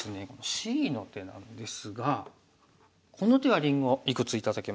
Ｃの手なんですがこの手はりんごいくつ頂けますか？